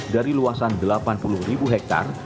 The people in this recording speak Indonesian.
dari luasan delapan puluh ribu hektare